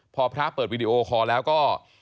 พอพระเปิดวิดีโอคอร์แล้วก็